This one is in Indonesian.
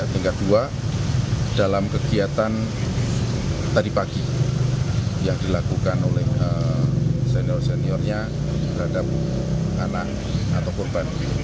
tingkat dua dalam kegiatan tadi pagi yang dilakukan oleh senior seniornya terhadap anak atau korban